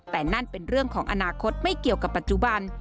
แต่นั่นเป็นเรื่องของอนาคตไม่เกี่ยวกับปัจจุบัน